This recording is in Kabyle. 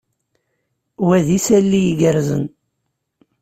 Wa d isali igerrzen.